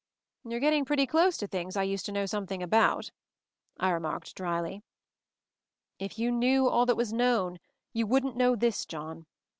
"You're getting pretty close to things I used to know something about," I remarked drily. "If you knew all that was known, then, you wouldn't know this, John.